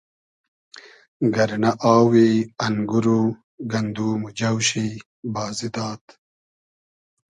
گئرنۂ آوی انگور و گندوم و جۆ شی بازی داد